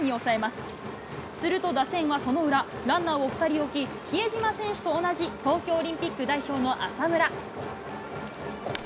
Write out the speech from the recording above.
すると、打線はその裏、ランナーを２人置き、比江島選手と同じ東京オリンピック代表の浅村。